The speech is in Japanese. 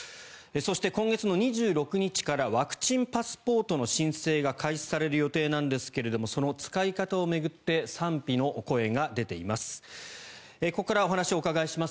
そして、今月２６日からワクチンパスポートの申請が開始される予定なんですがその使い方を巡って賛否の声が出ています。